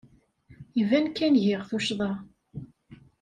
Iban kan giɣ tuccḍa.